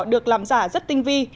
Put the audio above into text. được làm giả rất tinh vi